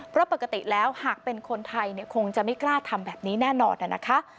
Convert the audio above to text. เพราะปกติแล้วหากเป็นคนไทยคงจะไม่กล้าทำแบบนี้แน่นอนนะคะ